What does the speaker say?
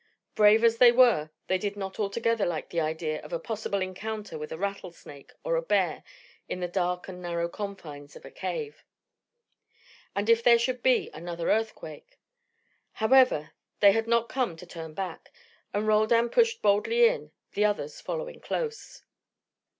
Brave as they were, they did not altogether like the idea of a possible encounter with a rattlesnake or a bear in the dark and narrow confines of a cave. And if there should be another earthquake! However, they had not come to turn back, and Roldan pushed boldly in, the others following close.